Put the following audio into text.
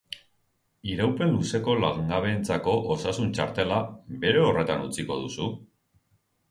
Iraupen luzeko langabeentzako osasun-txartela, bere horretan utziko duzu?